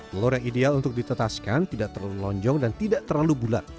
telur yang ideal untuk ditetaskan tidak terlalu lonjong dan tidak terlalu bulat